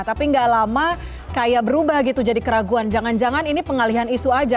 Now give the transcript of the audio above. tapi gak lama kayak berubah gitu jadi keraguan jangan jangan ini pengalihan isu aja